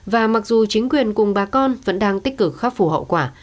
và mặc dù chính quyền cùng bà con vẫn đang tích cực khắp phù hậu quả